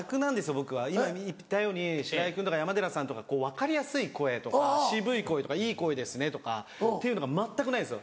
僕は今言ったように白井君とか山寺さんとか分かりやすい声とか渋い声とかいい声ですねとかっていうのが全くないんですよ。